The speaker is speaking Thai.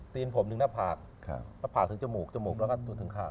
ตีนผมหนึ่งหน้าผากหน้าผากถึงจมูกจมูกแล้วก็ถึงข้าง